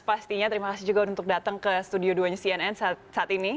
pastinya terima kasih juga untuk datang ke studio duanya cnn saat ini